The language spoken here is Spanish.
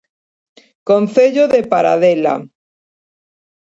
Concello de Paradela.